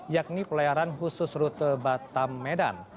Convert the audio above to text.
yakni pelayaran khusus rute batam medan